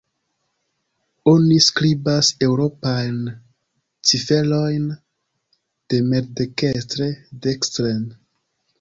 Oni skribas eŭropajn ciferojn demaldekstre-dekstren.